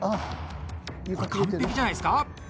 これ、完璧じゃないですか？